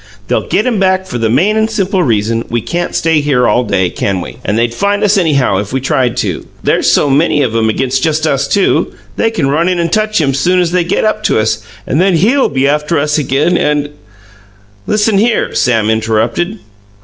"They'll get him back for the main and simple reason we can't stay here all day, can we? And they'd find us anyhow, if we tried to. There's so many of 'em against just us two, they can run in and touch him soon as they get up to us and then HE'LL be after us again and " "Listen here!" Sam interrupted.